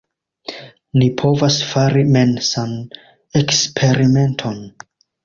Ni povas fari mensan eksperimenton.